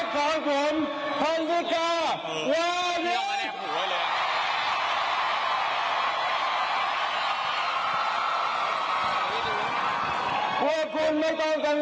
ว่าคุณไม่ต้องกังวล